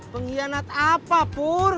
penghianat apa pur